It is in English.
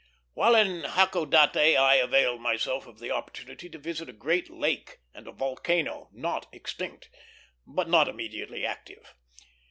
While in Hakodate, I availed myself of the opportunity to visit a great lake and a volcano, not extinct, but not immediately active.